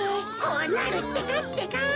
こうなるってかってか。